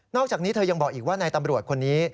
อกจากนี้เธอยังบอกอีกว่านายตำรวจคนนี้